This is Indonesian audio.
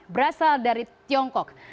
berasal dari tiongkok